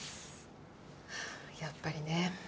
ああやっぱりね。